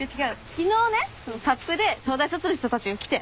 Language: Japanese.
昨日ねサップで東大卒の人たちが来て。